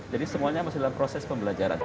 jadi semuanya masih dalam proses pembelajaran